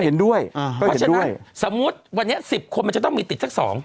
ก็เห็นด้วยเพราะฉะนั้นสมมุติวันนี้สิบคนมันจะต้องมีติดสักสอง